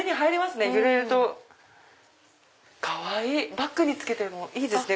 バッグに着けてもいいですね。